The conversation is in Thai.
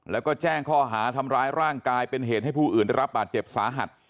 แล้วก็แจ้งข้อหาทำร้ายร่างกายเป็นเหตุให้ผู้อื่นได้รับบาดเจ็บสาหัส